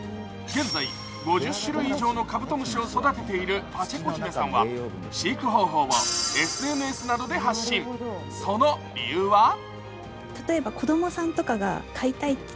現在、５０種類以上のカブトムシを育てているパチェコ姫さんは飼育方法をＳＮＳなどで発信、その理由は？